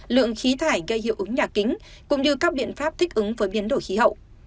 lượng khí thải gây hiệu ứng nhà kính cũng như các biện pháp thích ứng với biến đổi khí hậu